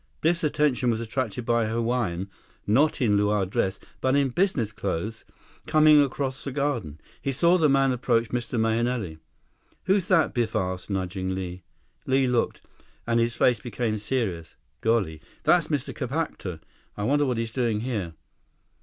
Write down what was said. Biff's attention was attracted by a Hawaiian, not in luau dress, but in business clothes, coming across the garden. He saw the man approach Mr. Mahenili. "Who's that?" Biff asked, nudging Li. Li looked, and his face became serious. "Golly. That's Mr. Kapatka. I wonder what he's doing here."